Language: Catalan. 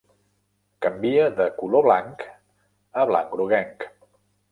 Canvia de color blanc a blanc groguenc.